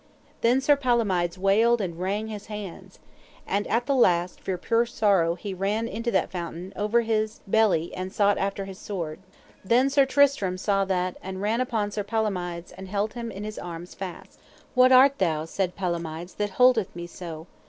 Then Sir Palomides wailed and wrang his hands. And at the last for pure sorrow he ran into that fountain, over his belly, and sought after his sword. Then Sir Tristram saw that, and ran upon Sir Palomides, and held him in his arms fast. What art thou, said Palomides, that holdeth me so?